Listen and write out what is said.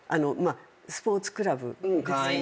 スポーツクラブですけどね。